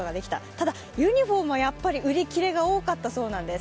ただユニフォームは売り切れが多かったということなんです。